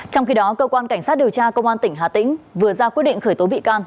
trong khi đó cơ quan cảnh sát điều tra công an tỉnh hà tĩnh vừa ra quyết định khởi tố bị can